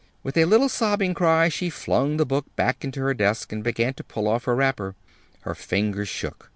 With a little sobbing cry she flung the book back into her desk, and began to pull off her wrapper. Her fingers shook.